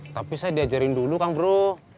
tapi saya diajarin dulu kan bro